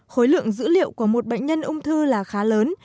khối lượng dữ liệu của một bệnh nhân ung thư là khá lớn